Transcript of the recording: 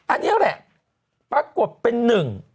อันนี้แหละปรากฏเป็นหนึ่ง